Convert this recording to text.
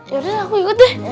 yaudah aku ikut deh